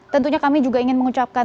tentunya kami juga ingin mengucapkan